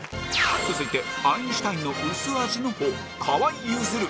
続いてアインシュタインの薄味の方河井ゆずる